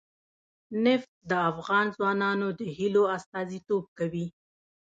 نفت د افغان ځوانانو د هیلو استازیتوب کوي.